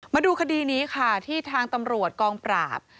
มาดูคดีนี้ค่ะที่ทางตำรวจกองปราบ